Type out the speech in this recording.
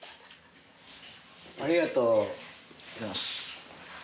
ありがとう